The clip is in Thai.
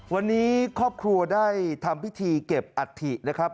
วันนี้ครอบครัวได้ทำพิธีเก็บอัฐินะครับ